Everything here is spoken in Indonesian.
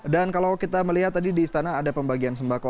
dan kalau kita melihat tadi di istana ada pembagian sembako